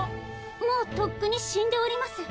もうとっくに死んでおります。